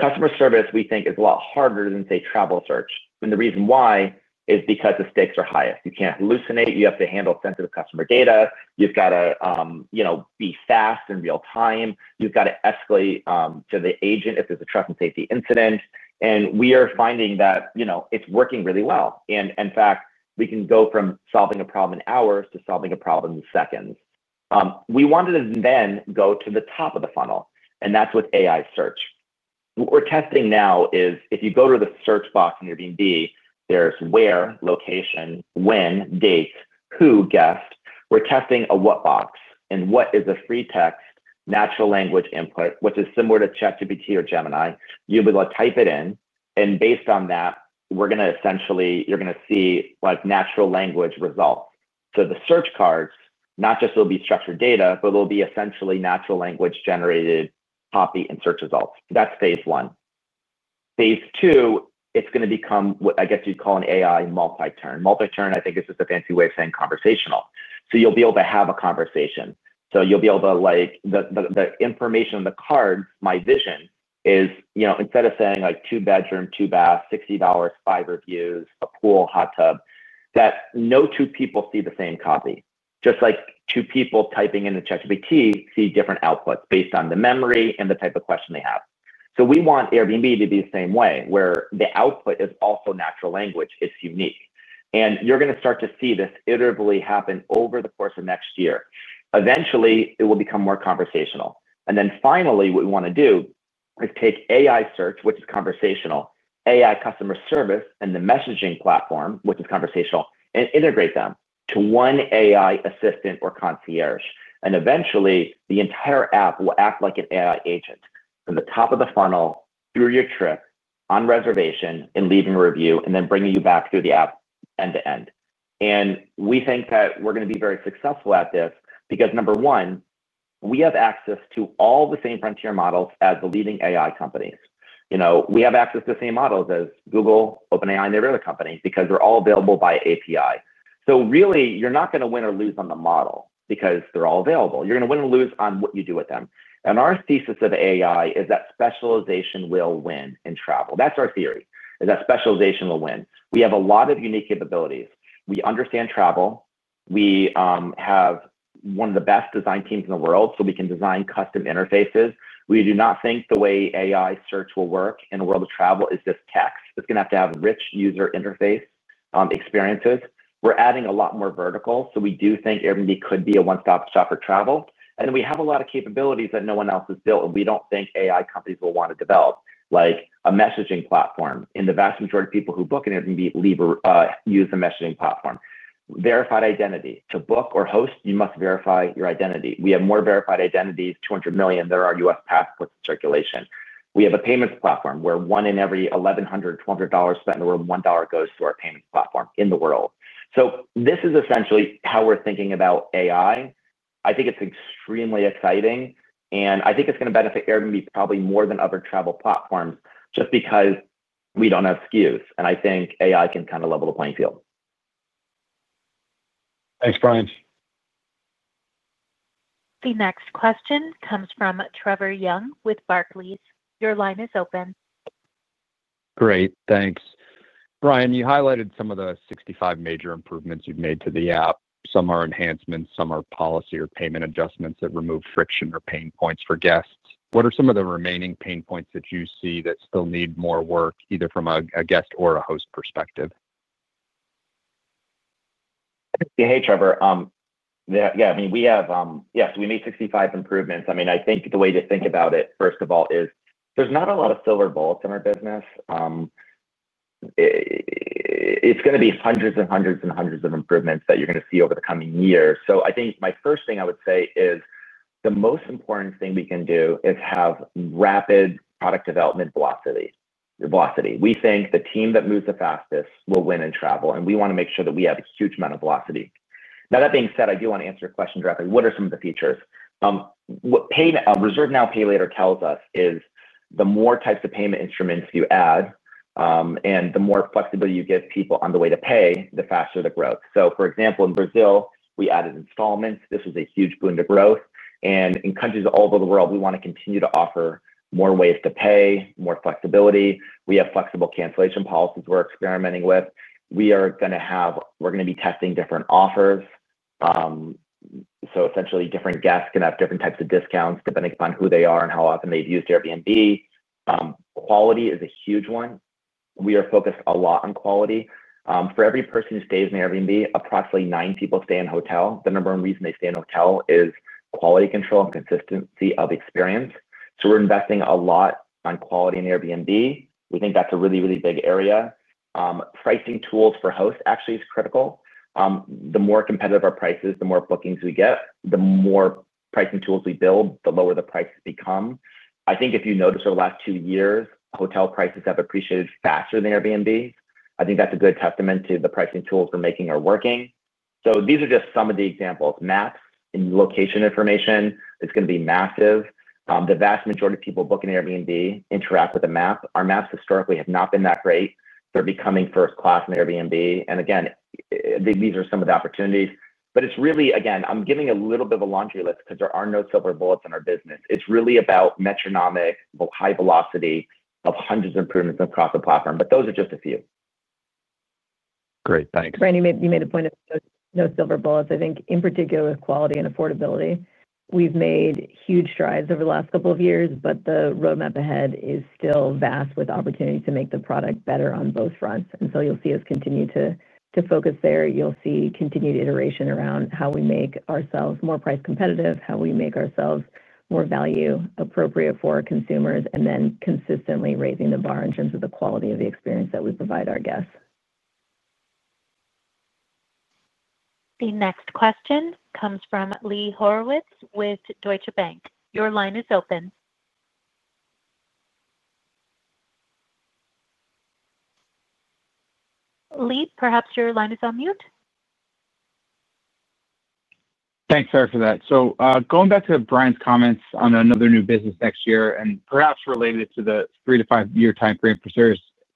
[SPEAKER 3] Customer service, we think, is a lot harder than, say, travel search. The reason why is because the stakes are highest. You can't hallucinate. You have to handle sensitive customer data. You have to be fast in real time. You have to escalate to the agent if there's a trust and safety incident. We are finding that it's working really well. In fact, we can go from solving a problem in hours to solving a problem in seconds. We wanted to then go to the top of the funnel, and that's with AI search. What we're testing now is if you go to the search box in Airbnb, there's where, location, when, date, who guest. We're testing a what box and what is a free text, natural language input, which is similar to ChatGPT or Gemini. You'll be able to type it in. Based on that, we're going to essentially—you're going to see natural language results. The search cards not just will be structured data, but it'll be essentially natural language-generated copy and search results. That's phase 1. Phase 2, it's going to become what I guess you'd call an AI multi-turn. Multi-turn, I think, is just a fancy way of saying conversational. You'll be able to have a conversation. You'll be able to the information on the cards, my vision is instead of saying two bedroom, two bath, $60, five reviews, a pool, hot tub, that no two people see the same copy. Just like two people typing into ChatGPT see different outputs based on the memory and the type of question they have. We want Airbnb to be the same way, where the output is also natural language. It is unique. You are going to start to see this iteratively happen over the course of next year. Eventually, it will become more conversational. Finally, what we want to do is take AI search, which is conversational, AI customer service, and the messaging platform, which is conversational, and integrate them to one AI assistant or concierge. Eventually, the entire app will act like an AI agent from the top of the funnel through your trip, on reservation, and leaving a review, and then bringing you back through the app end to end. We think that we're going to be very successful at this because, number one, we have access to all the same frontier models as the leading AI companies. We have access to the same models as Google, OpenAI, and the other companies because they're all available by API. Really, you're not going to win or lose on the model because they're all available. You're going to win or lose on what you do with them. Our thesis of AI is that specialization will win in travel. That's our theory, is that specialization will win. We have a lot of unique capabilities. We understand travel. We have one of the best design teams in the world, so we can design custom interfaces. We do not think the way AI search will work in a world of travel is just text. It's going to have to have rich user interface experiences. We're adding a lot more vertical, so we do think Airbnb could be a one-stop shop for travel. We have a lot of capabilities that no one else has built, and we don't think AI companies will want to develop, like a messaging platform. The vast majority of people who book an Airbnb use a messaging platform. Verified identity. To book or host, you must verify your identity. We have more verified identities, 200 million. There are U.S. passports in circulation. We have a payments platform where one in every 1,100, $200 spent in the world, $1 goes to our payments platform in the world. This is essentially how we're thinking about AI. I think it's extremely exciting, and I think it's going to benefit Airbnb probably more than other travel platforms just because we don't have SKUs. I think AI can kind of level the playing field.
[SPEAKER 11] Thanks, Brian.
[SPEAKER 1] The next question comes from Trevor Young with Barclays. Your line is open.
[SPEAKER 12] Great. Thanks. Brian, you highlighted some of the 65 major improvements you've made to the app. Some are enhancements. Some are policy or payment adjustments that remove friction or pain points for guests. What are some of the remaining pain points that you see that still need more work, either from a guest or a host perspective?
[SPEAKER 3] Hey, Trevor. Yeah, I mean, we have—yes, we made 65 improvements. I mean, I think the way to think about it, first of all, is there's not a lot of silver bullets in our business. It's going to be hundreds and hundreds and hundreds of improvements that you're going to see over the coming years. I think my first thing I would say is the most important thing we can do is have rapid product development velocity. We think the team that moves the fastest will win in travel, and we want to make sure that we have a huge amount of velocity. Now, that being said, I do want to answer your question directly. What are some of the features? What Reserve Now, Pay Later tells us is the more types of payment instruments you add. The more flexibility you give people on the way to pay, the faster the growth. For example, in Brazil, we added installments. This was a huge boon to growth. In countries all over the world, we want to continue to offer more ways to pay, more flexibility. We have flexible cancellation policies we're experimenting with. We are going to be testing different offers. Essentially, different guests can have different types of discounts depending upon who they are and how often they've used Airbnb. Quality is a huge one. We are focused a lot on quality. For every person who stays in Airbnb, approximately nine people stay in a hotel. The number one reason they stay in a hotel is quality control and consistency of experience. We are investing a lot on quality in Airbnb. We think that's a really, really big area. Pricing tools for hosts actually are critical. The more competitive our prices, the more bookings we get, the more pricing tools we build, the lower the prices become. I think if you notice over the last two years, hotel prices have appreciated faster than Airbnbs. I think that's a good testament to the pricing tools we're making are working. These are just some of the examples. Maps and location information is going to be massive. The vast majority of people booking Airbnb interact with a map. Our maps historically have not been that great. They're becoming first-class in Airbnb. Again, these are some of the opportunities. It's really, again, I'm giving a little bit of a laundry list because there are no silver bullets in our business. It's really about metronomic, high velocity of hundreds of improvements across the platform. Those are just a few.
[SPEAKER 12] Great. Thanks.
[SPEAKER 4] Brian, you made a point of no silver bullets. I think, in particular, with quality and affordability, we've made huge strides over the last couple of years, but the roadmap ahead is still vast with opportunities to make the product better on both fronts. You'll see us continue to focus there. You'll see continued iteration around how we make ourselves more price competitive, how we make ourselves more value-appropriate for our consumers, and then consistently raising the bar in terms of the quality of the experience that we provide our guests.
[SPEAKER 1] The next question comes from Lee Horowitz with Deutsche Bank. Your line is open. Lee, perhaps your line is on mute.
[SPEAKER 13] Thanks, Sarah, for that. Going back to Brian's comments on another new business next year and perhaps related to the three to five-year timeframe for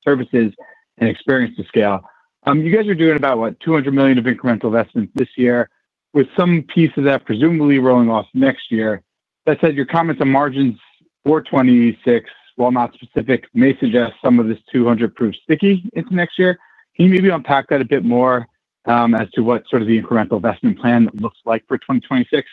[SPEAKER 13] services and experience to scale, you guys are doing about, what, $200 million of incremental investments this year, with some piece of that presumably rolling off next year. That said, your comments on margins for 2026, while not specific, may suggest some of this $200 million proves sticky into next year. Can you maybe unpack that a bit more as to what sort of the incremental investment plan looks like for 2026?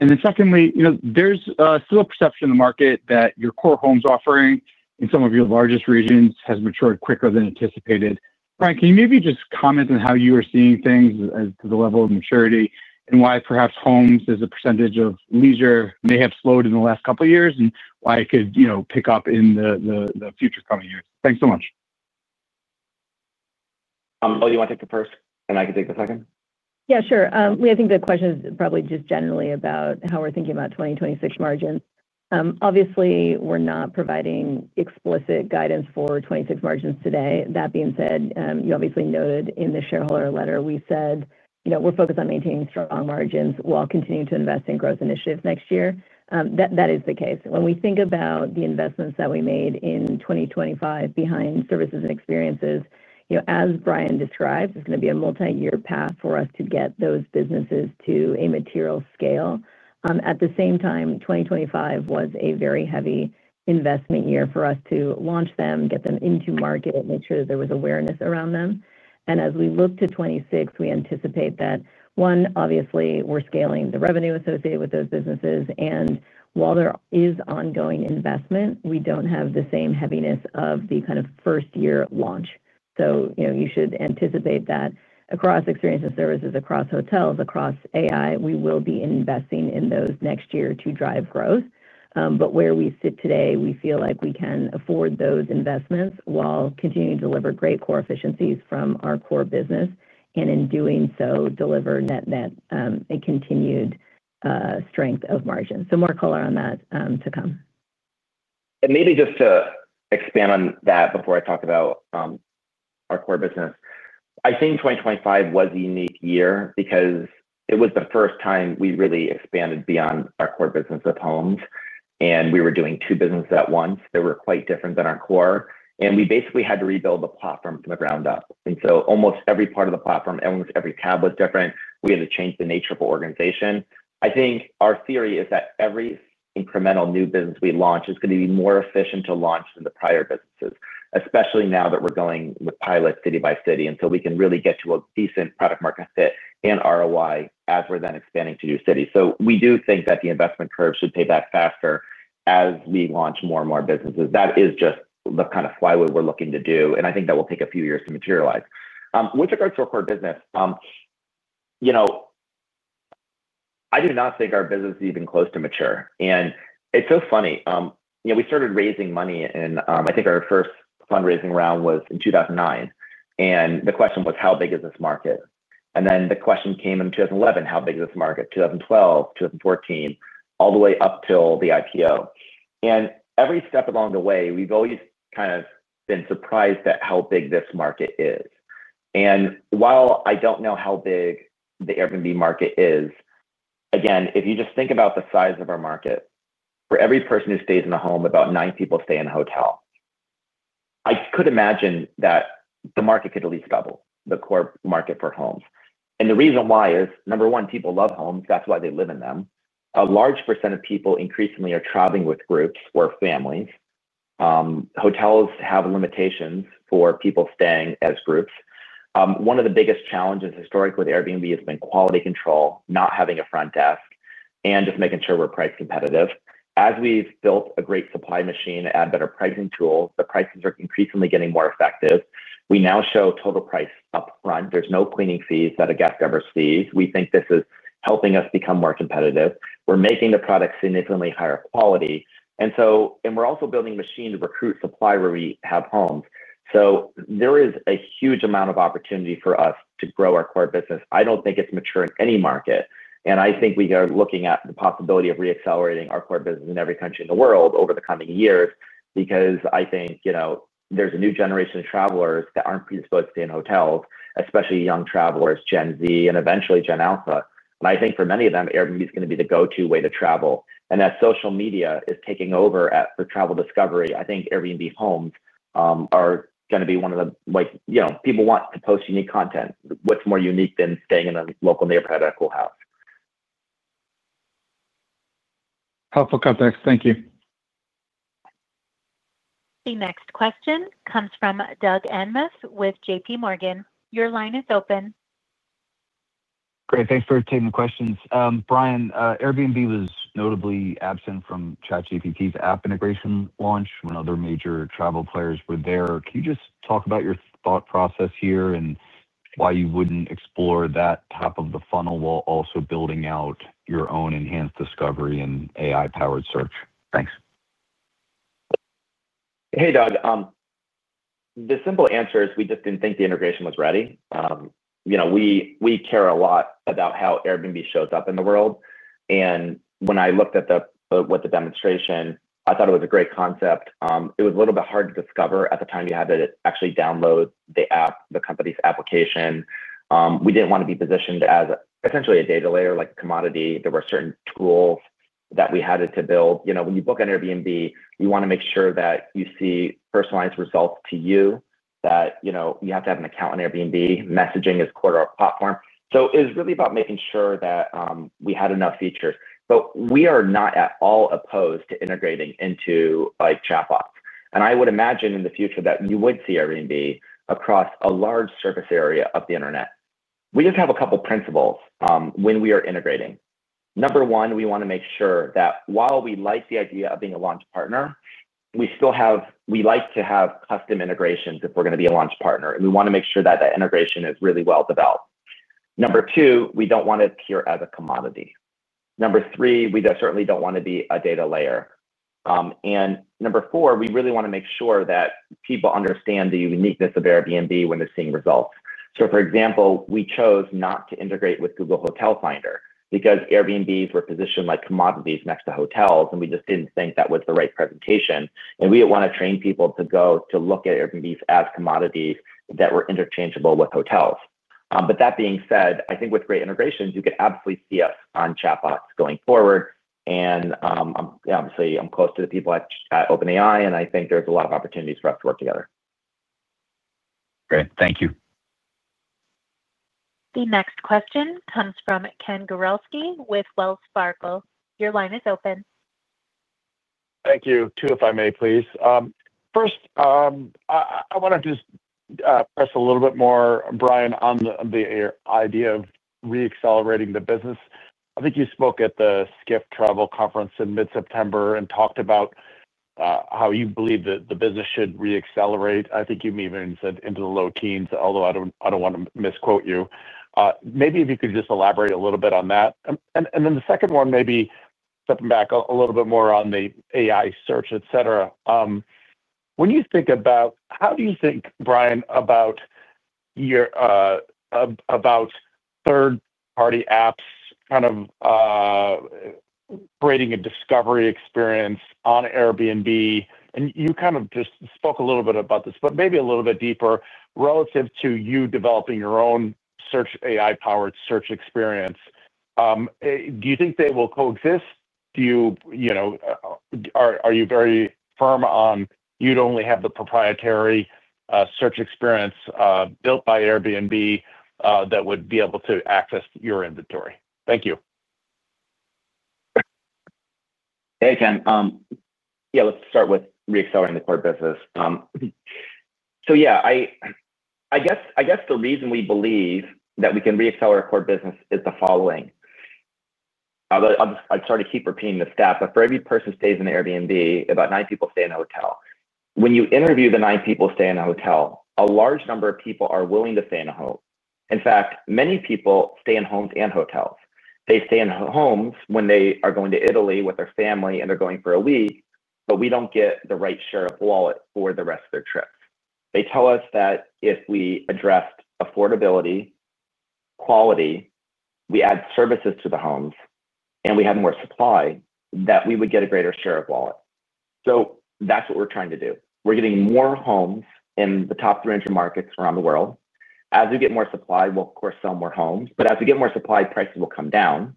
[SPEAKER 13] Then secondly, there's still a perception in the market that your core homes offering in some of your largest regions has matured quicker than anticipated. Brian, can you maybe just comment on how you are seeing things to the level of maturity and why perhaps homes as a percentage of leisure may have slowed in the last couple of years and why it could pick up in the future coming years? Thanks so much.
[SPEAKER 3] Oh, you want to take the first, and I can take the second?
[SPEAKER 4] Yeah, sure. I think the question is probably just generally about how we're thinking about 2026 margins. Obviously, we're not providing explicit guidance for 2026 margins today. That being said, you obviously noted in the shareholder letter we said we're focused on maintaining strong margins while continuing to invest in growth initiatives next year. That is the case. When we think about the investments that we made in 2025 behind services and experiences, as Brian described, it's going to be a multi-year path for us to get those businesses to a material scale. At the same time, 2025 was a very heavy investment year for us to launch them, get them into market, make sure that there was awareness around them. As we look to 2026, we anticipate that, one, obviously, we're scaling the revenue associated with those businesses. While there is ongoing investment, we do not have the same heaviness of the kind of first-year launch. You should anticipate that across experience and services, across hotels, across AI, we will be investing in those next year to drive growth. Where we sit today, we feel like we can afford those investments while continuing to deliver great core efficiencies from our core business and in doing so deliver that continued strength of margin. More color on that to come.
[SPEAKER 3] Maybe just to expand on that before I talk about our core business. I think 2025 was a unique year because it was the first time we really expanded beyond our core business of homes. We were doing two businesses at once that were quite different than our core. We basically had to rebuild the platform from the ground up. Almost every part of the platform, almost every tab was different. We had to change the nature of our organization. I think our theory is that every incremental new business we launch is going to be more efficient to launch than the prior businesses, especially now that we're going with pilot city by city. We can really get to a decent product-market fit and ROI as we're then expanding to new cities. We do think that the investment curve should pay back faster as we launch more and more businesses. That is just the kind of flywheel we're looking to do. I think that will take a few years to materialize. With regards to our core business, I do not think our business is even close to mature. It's so funny. We started raising money, and I think our first fundraising round was in 2009. The question was, how big is this market? Then the question came in 2011, how big is this market? 2012, 2014, all the way up till the IPO. Every step along the way, we've always kind of been surprised at how big this market is. While I don't know how big the Airbnb market is, again, if you just think about the size of our market, for every person who stays in a home, about nine people stay in a hotel. I could imagine that the market could at least double the core market for homes. The reason why is, number one, people love homes. That's why they live in them. A large percent of people increasingly are traveling with groups or families. Hotels have limitations for people staying as groups. One of the biggest challenges historically with Airbnb has been quality control, not having a front desk, and just making sure we're price competitive. As we've built a great supply machine and added better pricing tools, the prices are increasingly getting more effective. We now show total price upfront. There's no cleaning fees that a guest ever sees. We think this is helping us become more competitive. We're making the product significantly higher quality. We're also building a machine to recruit supply where we have homes. There is a huge amount of opportunity for us to grow our core business. I don't think it's mature in any market. I think we are looking at the possibility of re-accelerating our core business in every country in the world over the coming years because I think there's a new generation of travelers that aren't predisposed to stay in hotels, especially young travelers, Gen Z, and eventually Gen Alpha. I think for many of them, Airbnb is going to be the go-to way to travel. As social media is taking over for travel discovery, I think Airbnb homes are going to be one of the people want to post unique content. What's more unique than staying in a local neighborhood at a cool house?
[SPEAKER 13] Helpful context. Thank you.
[SPEAKER 1] The next question comes from Doug Anmuth with JPMorgan. Your line is open.
[SPEAKER 14] Great. Thanks for taking the questions. Brian, Airbnb was notably absent from ChatGPT's app integration launch. Other major travel players were there. Can you just talk about your thought process here and why you wouldn't explore that top of the funnel while also building out your own enhanced discovery and AI-powered search? Thanks.
[SPEAKER 3] Hey, Doug. The simple answer is we just didn't think the integration was ready. We care a lot about how Airbnb shows up in the world. When I looked at what the demonstration, I thought it was a great concept. It was a little bit hard to discover at the time. You had to actually download the app, the company's application. We didn't want to be positioned as essentially a data layer like a commodity. There were certain tools that we had to build. When you book on Airbnb, you want to make sure that you see personalized results to you, that you have to have an account on Airbnb. Messaging is core to our platform. It was really about making sure that we had enough features. We are not at all opposed to integrating into chatbots. I would imagine in the future that you would see Airbnb across a large surface area of the internet. We just have a couple of principles when we are integrating. Number one, we want to make sure that while we like the idea of being a launch partner, we still like to have custom integrations if we're going to be a launch partner. We want to make sure that that integration is really well developed. Number two, we don't want to appear as a commodity. Number three, we certainly don't want to be a data layer. Number four, we really want to make sure that people understand the uniqueness of Airbnb when they're seeing results. For example, we chose not to integrate with Google Hotel Finder because Airbnbs were positioned like commodities next to hotels, and we just did not think that was the right presentation. We did not want to train people to go to look at Airbnbs as commodities that were interchangeable with hotels. That being said, I think with great integrations, you could absolutely see us on chatbots going forward. Obviously, I am close to the people at OpenAI, and I think there is a lot of opportunities for us to work together.
[SPEAKER 14] Great. Thank you.
[SPEAKER 1] The next question comes from Ken Gorer with Wells Fargo. Your line is open.
[SPEAKER 15] Thank you. Two, if I may, please. First, I want to just press a little bit more, Brian, on the idea of re-accelerating the business. I think you spoke at the Skiff Travel Conference in mid-September and talked about how you believe that the business should re-accelerate. I think you even said into the low teens, although I do not want to misquote you. Maybe if you could just elaborate a little bit on that. And then the second one, maybe stepping back a little bit more on the AI search, et cetera. When you think about how do you think, Brian, about third-party apps kind of creating a discovery experience on Airbnb? And you kind of just spoke a little bit about this, but maybe a little bit deeper relative to you developing your own search AI-powered search experience. Do you think they will coexist? Are you very firm on you'd only have the proprietary search experience built by Airbnb that would be able to access your inventory? Thank you.
[SPEAKER 3] Hey, Ken. Yeah, let's start with re-accelerating the core business. I guess the reason we believe that we can re-accelerate our core business is the following. I'll just start to keep repeating this stat. For every person who stays in an Airbnb, about nine people stay in a hotel. When you interview the nine people staying in a hotel, a large number of people are willing to stay in a home. In fact, many people stay in homes and hotels. They stay in homes when they are going to Italy with their family and they're going for a week, but we don't get the right share of wallet for the rest of their trips. They tell us that if we addressed affordability, quality, we add services to the homes, and we had more supply, that we would get a greater share of wallet. That's what we're trying to do. We're getting more homes in the top three entry markets around the world. As we get more supply, we'll, of course, sell more homes. As we get more supply, prices will come down.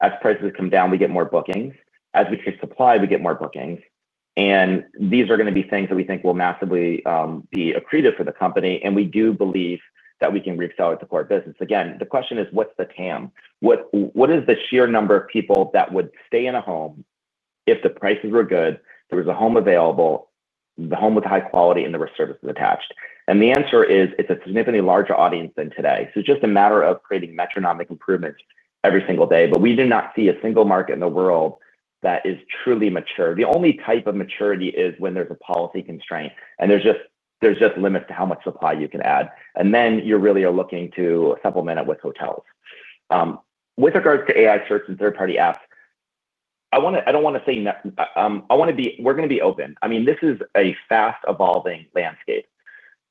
[SPEAKER 3] As prices come down, we get more bookings. As we increase supply, we get more bookings. These are going to be things that we think will massively be accretive for the company. We do believe that we can re-accelerate the core business. Again, the question is, what's the TAM? What is the sheer number of people that would stay in a home if the prices were good, there was a home available, the home with high quality, and there were services attached? The answer is it's a significantly larger audience than today. It's just a matter of creating metronomic improvements every single day. We do not see a single market in the world that is truly mature. The only type of maturity is when there's a policy constraint, and there's just limits to how much supply you can add. Then you really are looking to supplement it with hotels. With regards to AI search and third-party apps, I don't want to say I want to be we're going to be open. I mean, this is a fast-evolving landscape.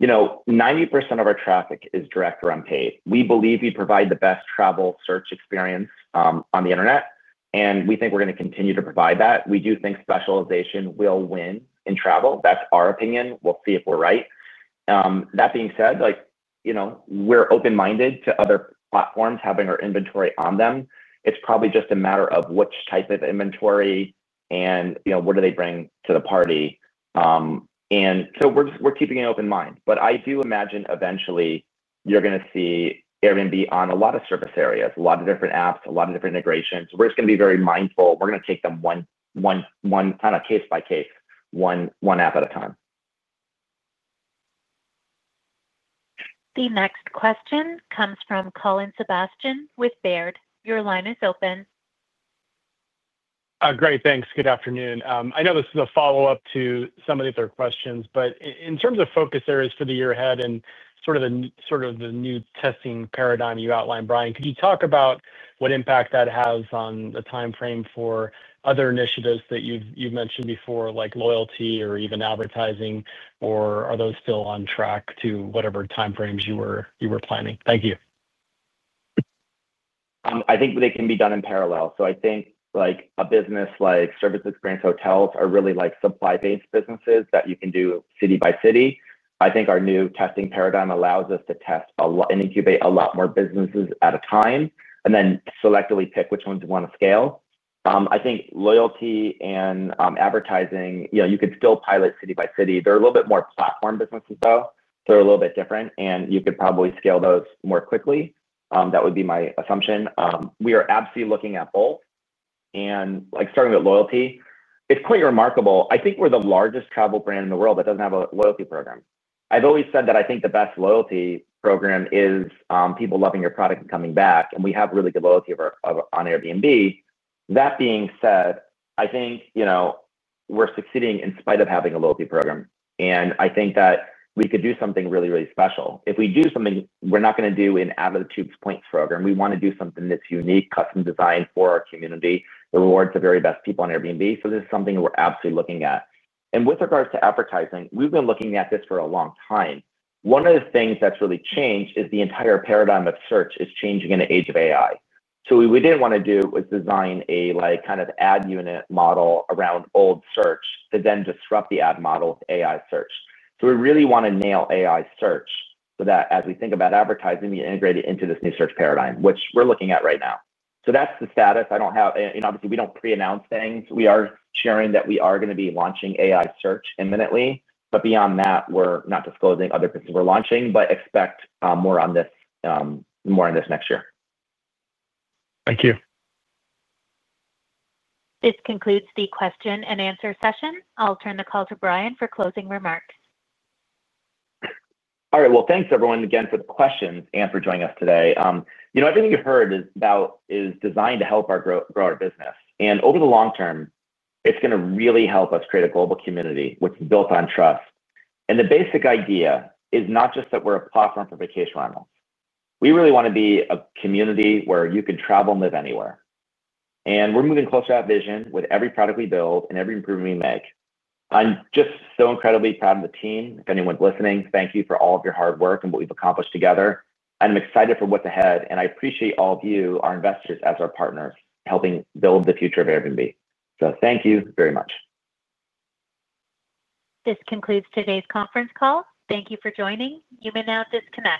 [SPEAKER 3] 90% of our traffic is direct or unpaid. We believe we provide the best travel search experience on the internet, and we think we're going to continue to provide that. We do think specialization will win in travel. That's our opinion. We'll see if we're right. That being said, we're open-minded to other platforms having our inventory on them. It's probably just a matter of which type of inventory and what do they bring to the party. We're keeping an open mind. I do imagine eventually you're going to see Airbnb on a lot of service areas, a lot of different apps, a lot of different integrations. We're just going to be very mindful. We're going to take them one kind of case by case, one app at a time.
[SPEAKER 1] The next question comes from Colin Sebastian with Baird. Your line is open.
[SPEAKER 16] Great. Thanks. Good afternoon. I know this is a follow-up to some of the other questions, but in terms of focus areas for the year ahead and sort of the new testing paradigm you outlined, Brian, could you talk about what impact that has on the timeframe for other initiatives that you've mentioned before, like loyalty or even advertising, or are those still on track to whatever timeframes you were planning? Thank you.
[SPEAKER 3] I think they can be done in parallel. I think a business like service experience hotels are really supply-based businesses that you can do city by city. I think our new testing paradigm allows us to test and incubate a lot more businesses at a time and then selectively pick which ones we want to scale. I think loyalty and advertising, you could still pilot city by city. They're a little bit more platform businesses, though. They're a little bit different. You could probably scale those more quickly. That would be my assumption. We are absolutely looking at both. Starting with loyalty, it's quite remarkable. I think we're the largest travel brand in the world that doesn't have a loyalty program. I've always said that I think the best loyalty program is people loving your product and coming back. We have really good loyalty on Airbnb. That being said, I think we're succeeding in spite of having a loyalty program. I think that we could do something really, really special. If we do something, we're not going to do an out-of-the-tubes points program. We want to do something that's unique, custom designed for our community, rewards the very best people on Airbnb. This is something we're absolutely looking at. With regards to advertising, we've been looking at this for a long time. One of the things that's really changed is the entire paradigm of search is changing in the age of AI. What we didn't want to do was design a kind of ad unit model around old search that then disrupts the ad model with AI search. We really want to nail AI search so that as we think about advertising, we integrate it into this new search paradigm, which we're looking at right now. That's the status. I don't have, obviously, we don't pre-announce things. We are sharing that we are going to be launching AI search imminently. Beyond that, we're not disclosing other businesses we're launching, but expect more on this next year.
[SPEAKER 16] Thank you.
[SPEAKER 1] This concludes the question and answer session. I'll turn the call to Brian for closing remarks.
[SPEAKER 3] All right. Thanks, everyone, again, for the questions and for joining us today. Everything you heard is designed to help grow our business. Over the long term, it's going to really help us create a global community which is built on trust. The basic idea is not just that we're a platform for vacation rentals. We really want to be a community where you can travel and live anywhere. We're moving closer to that vision with every product we build and every improvement we make. I'm just so incredibly proud of the team. If anyone's listening, thank you for all of your hard work and what we've accomplished together. I'm excited for what's ahead. I appreciate all of you, our investors as our partners, helping build the future of Airbnb. Thank you very much.
[SPEAKER 1] This concludes today's conference call. Thank you for joining. You may now disconnect.